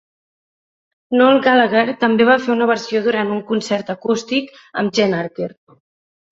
Nole Gallagher també va fer una versió durant un concert acústic amb Gem Archer.